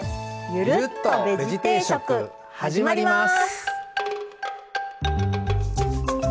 「ゆるっとベジ定食」始まります！